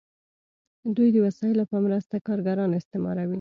دوی د وسایلو په مرسته کارګران استثماروي.